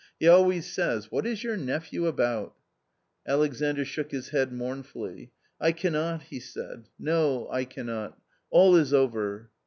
He always says, what is your nephew about ?" Alexandr shook his head mournfully. " I cannot," he a said, " no, I cannot ; all is over."